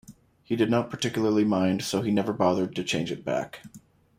He did not particularly mind, so he never bothered to change it back.